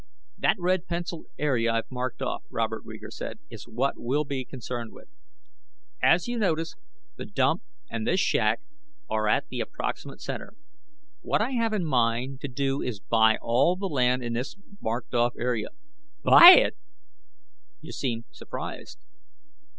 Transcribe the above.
"That red pencilled area I've marked off," Robert Reeger said, "is what we'll be concerned with. As you notice, the dump and this shack are at the approximate center. What I have in mind to do is buy all the land in the marked off area." "Buy it!..." "You seem surprised."